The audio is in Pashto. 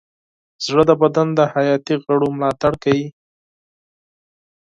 زړه د بدن د حیاتي غړو ملاتړ کوي.